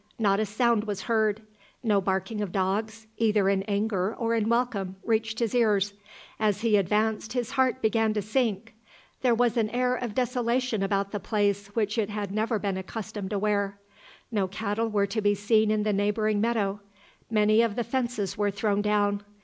Not a sound was heard. No barking of dogs, either in anger or in welcome, reached his ears. As he advanced his heart began to sink. There was an air of desolation about the place which it had never been accustomed to wear. No cattle were to be seen in the neighbouring meadow. Many of the fences were thrown down.